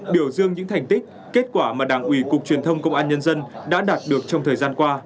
biểu dương những thành tích kết quả mà đảng ủy cục truyền thông công an nhân dân đã đạt được trong thời gian qua